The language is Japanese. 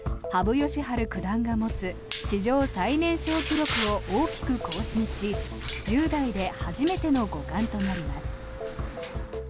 羽生善治九段が持つ史上最年少記録を大きく更新し１０代で初めての五冠となります。